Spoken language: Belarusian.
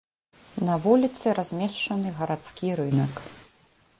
На вуліцы размешчаны гарадскі рынак.